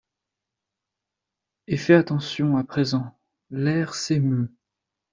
Et fais attention à présent :— l’air s’émeut ;